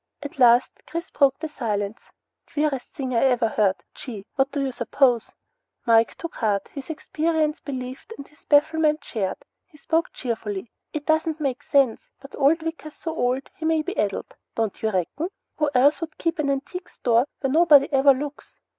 At last, Chris broke the silence. "Queerest thing I ever heard. Gee! Whaddaya suppose?" Mike took heart, his experience believed and his bafflement shared. He spoke cheerfully. "It doesn't make sense, but old Wicker's so old he may be addled, don't you reckon? Who else would keep an antique store where nobody ever looks?